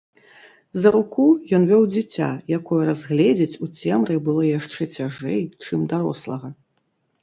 За руку ён вёў дзіця, якое разгледзець у цемры было яшчэ цяжэй, чым дарослага.